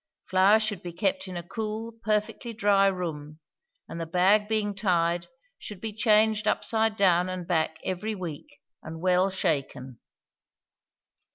Flour should be kept in a cool, perfectly dry room, and the bag being tied should be changed upside down and back every week, and well shaken.